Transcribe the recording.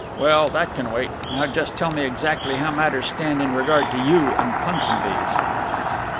"Well, that can wait. Now just tell me exactly how matters stand in regard to you and Punsonby's."